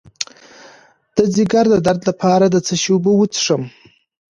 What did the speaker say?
د ځیګر د درد لپاره د څه شي اوبه وڅښم؟